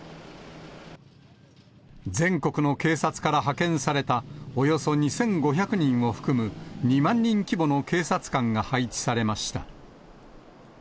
全国の警察から派遣されたおよそ２５００人を含む、２万人規模の警察官が配置されました。